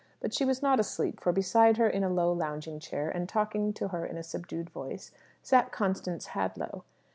But she was not asleep; for beside her in a low lounging chair, and talking to her in a subdued voice, sat Constance Hadlow.